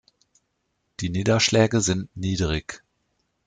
Die Niederschläge sind niedrig.